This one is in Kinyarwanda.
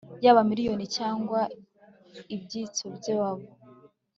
Yaba miniyoni cyangwa ibyitso byabo